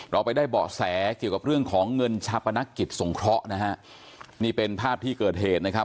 เราไปได้เบาะแสเกี่ยวกับเรื่องของเงินชาปนักกิจสงเคราะห์นะฮะนี่เป็นภาพที่เกิดเหตุนะครับ